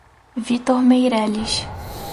Vitor Meireles